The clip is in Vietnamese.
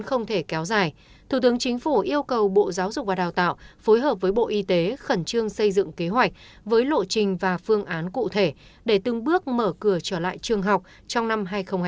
không thể kéo dài thủ tướng chính phủ yêu cầu bộ giáo dục và đào tạo phối hợp với bộ y tế khẩn trương xây dựng kế hoạch với lộ trình và phương án cụ thể để từng bước mở cửa trở lại trường học trong năm hai nghìn hai mươi